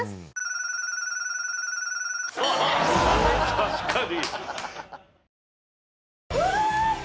確かに。